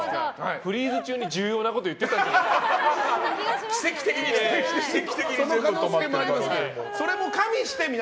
フリーズ中に重要なことを言ってたんじゃないかな。